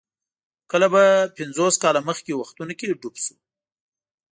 کله به پنځوس کاله مخکې وختونو کې ډوب شو.